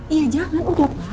iya jangan udah pak